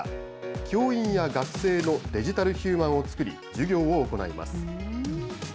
教員や学生のデジタルヒューマンを作り、授業を行います。